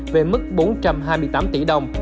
về mức bốn trăm hai mươi tám tỷ đồng